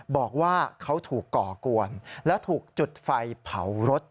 บอกว่าเขาถูกก่อกวนและถูกจุดไฟเผารถ